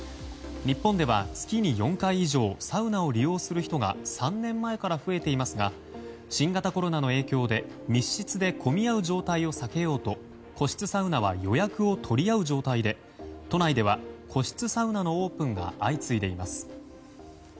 日本では、月に４回以上サウナを利用する人が３年前から増えていますが新型コロナの影響で密室で混み合う状態を避けようと個室サウナは予約を取り合う状態で都内では個室サウナのオープンが相次いでいます。